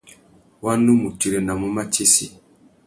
Wa nu mù tirenamú matsessi.